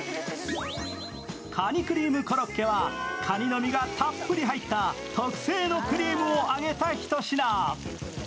カニクリームコロッケは、かにの身がたっぷりと入った特製のクリームを揚げた一品。